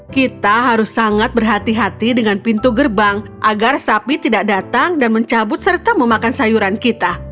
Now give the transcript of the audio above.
kita harus sangat berhati hati dengan pintu gerbang agar sapi tidak datang dan mencabut serta memakan sayuran kita